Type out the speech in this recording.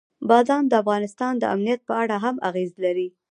بادام د افغانستان د امنیت په اړه هم اغېز لري.